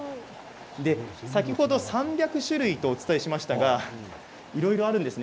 先ほど３００種類とお伝えしましたがいろいろあるんです。